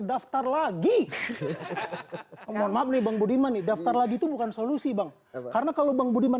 daftar lagi msmakbell yang beli mani daftar lagi itu bukan solusi bang karena kalau bang budiman